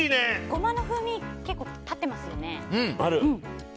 ゴマの風味結構立ってますよね。